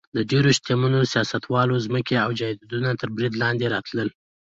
د ډېرو شتمنو سیاستوالو ځمکې او جایدادونه تر برید لاندې راتلل.